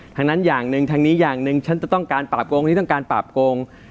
ทั้งนั้นอย่างหนึ่งทางนี้อย่างหนึ่งฉันจะต้องการปราบโกงนี้ต้องการปราบโกง